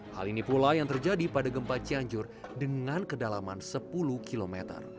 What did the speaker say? hal ini pula yang terjadi pada gempa cianjur dengan kedalaman sepuluh km